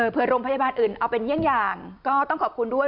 เพื่อโรงพยาบาลอื่นเอาเป็นเยี่ยงอย่างก็ต้องขอบคุณด้วย